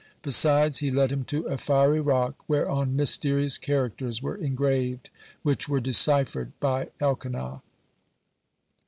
Besides, he led him to a fiery rock whereon mysterious characters were engraved, which were deciphered by Elkanah.